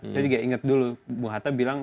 saya juga ingat dulu bu hatta bilang